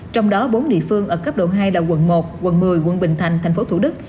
trong đó bốn địa phương ở cấp độ hai là quận một quận một mươi quận bình thành thành phố thủ đức